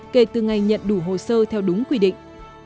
kể từ ngày nhận đủ hồ sơ theo đúng quy định